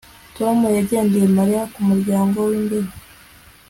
Tom yagendeye Mariya ku muryango wimbere